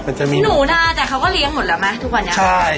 หนูหน้าแต่เขาก็เลี้ยงหมดแล้วไหมทุกวันเนี่ย